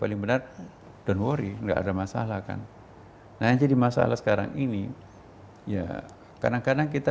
paling benar ⁇ dont ⁇ worry enggak ada masalah kan nah yang jadi masalah sekarang ini ya kadang kadang kita